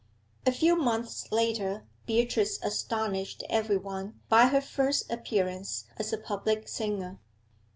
A few months later, Beatrice astonished everyone by her first appearance as a public singer.